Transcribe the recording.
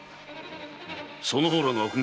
その方らの悪行